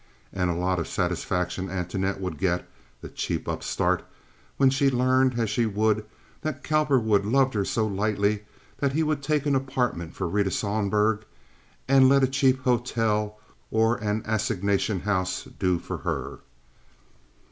And a lot of satisfaction Antoinette would get—the cheap upstart—when she learned, as she would, that Cowperwood loved her so lightly that he would take an apartment for Rita Sohlberg and let a cheap hotel or an assignation house do for her.